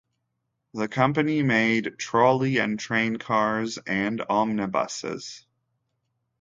The company made trolley and train cars and omnibuses.